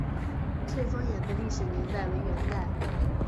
翠峰岩的历史年代为元代。